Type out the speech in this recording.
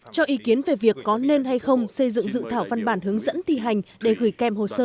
cho ý kiến về việc có nên hay không xây dựng dự thảo văn bản hướng dẫn thi hành để gửi kèm hồ sơ